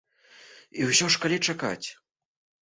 І ўсё ж, калі чакаць?